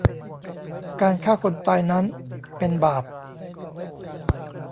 การฆ่าคนตายนั้น เป็นบาป